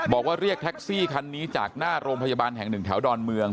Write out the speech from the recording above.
บอกว่าเรียกแท็กซี่คันนี้จากหน้าโรงพยาบาลแห่งหนึ่งแถวดอนเมือง